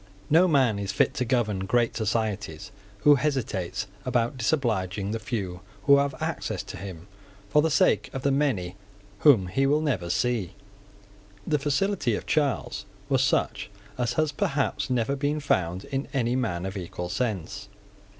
No man is fit to govern great societies who hesitates about disobliging the few who have access to him, for the sake of the many whom he will never see. The facility of Charles was such as has perhaps never been found in any man of equal sense.